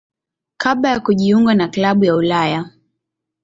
kabla ya kujiunga na klabu ya Ulaya.